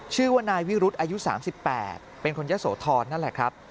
ชื่อว่านายวิรุธอายุ๓๘เป็นคนยะโสธรนั่นแหละครับ